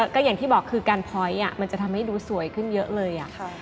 ก็อย่างที่บอกการปล้อย